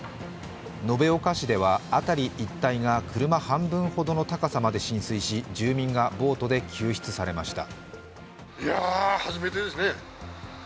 延岡市では辺り一帯が車半分ほどの高さまで浸水し住民がボートで救出されました。